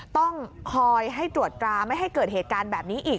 ต้องคอยให้ตรวจตราไม่ให้เกิดเหตุการณ์แบบนี้อีก